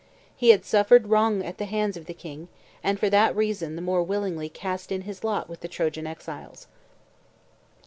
He had suffered wrong at the hands of the king, and for that reason the more willingly cast in his lost with the Trojan exiles.